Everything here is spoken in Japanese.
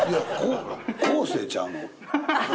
昴生ちゃうの？